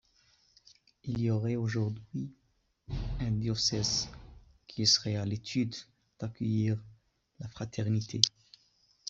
Il y aurait aujourd'hui un diocèse qui serait à l'étude d'accueillir la Fraternité.